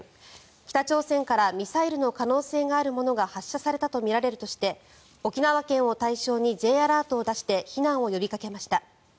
北朝鮮からミサイルの可能性があるものが発射されたとみられるとして沖縄県を対象にＪアラートを出して避難を呼びかけました。